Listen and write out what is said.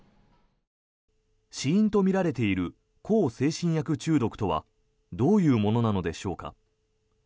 死因とみられている向精神薬中毒とはどういうものなのでしょうか。